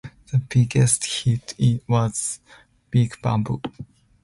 Their biggest hit was "Big Bamboo".